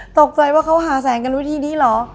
ตกใจว่าเขาหาแสงกันวิธีนี้เหรอ